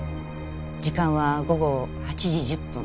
時間は午後８時１０分。